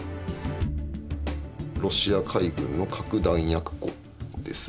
ロシア海軍の核弾薬庫ですね。